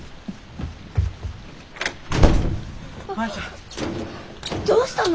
マヤちゃん。どうしたの？